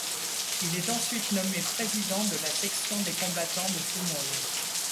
Il est ensuite nommé président de la section des combattants de Fumone.